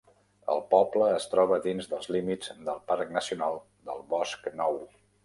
El poble es troba dins dels límits del Parc Nacional del Bosc Nou.